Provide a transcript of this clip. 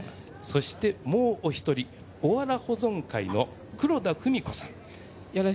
そして、もうお一人おわら保存会の黒田文子さん。